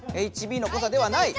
ＨＢのこさではない？